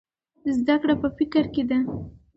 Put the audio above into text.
زده کړه په فکر کې ده.